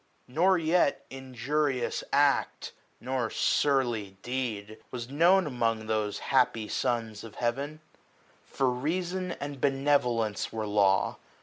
Nor yet injurious act, nor surly deed. Was known among those happy sons of Heaven ; 255 For reason and benevolence were law.